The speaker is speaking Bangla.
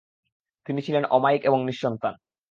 তিনি ছিলেন অমায়িক এবং নিঃসন্তান।